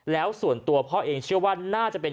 แล้วส่วนตัวพ่อเองเชื่อว่าน่าจะเป็น